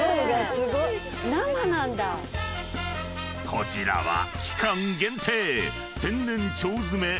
［こちらは期間限定］